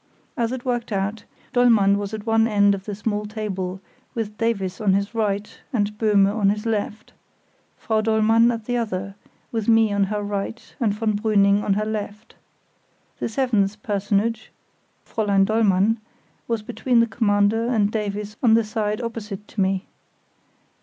As it worked out, Dollmann was at one end of the small table, with Davies on his right and Böhme on his left; Frau Dollmann at the other, with me on her right and von Brüning on her left. The seventh personage, Fräulein Dollmann, was between the Commander and Davies on the side opposite to me.